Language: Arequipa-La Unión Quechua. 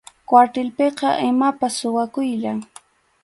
Kwartilpiqa imapas suwakuyllam.